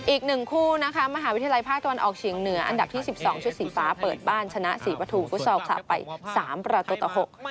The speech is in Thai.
อีกหนึ่งคู่นะคะมหาวิทยาลัยภาคตะวันออกเฉียงเหนืออันดับที่สิบสองชุดสีฟ้าเปิดบ้านชนะสีพทุมก็ชอบสาปไปสามประตูต่อหก